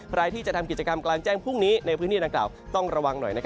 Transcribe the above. ใครที่จะทำกิจกรรมกลางแจ้งพรุ่งนี้ในพื้นที่ดังกล่าวต้องระวังหน่อย